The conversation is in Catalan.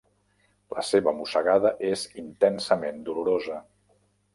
La seva mossegada és intensament dolorosa.